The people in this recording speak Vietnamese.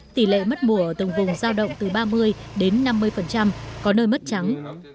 tỷ lệ mất mùa ở tầng vùng giao động từ ba mươi đến năm mươi có nơi mất trắng